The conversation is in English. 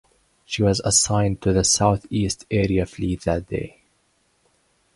She was assigned to the Southeast Area Fleet that day.